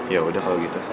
yaudah kalau gitu